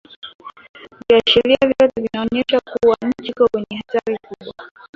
Viashiria vyote vinaonyesha kuwa nchi iko kwenye hatari kubwa